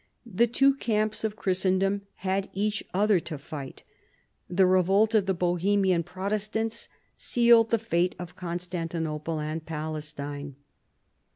The two camps of Christendom had each other to fight. The revolt of the Bohemian Protestants sealed the fate of Constantinople and Palestine.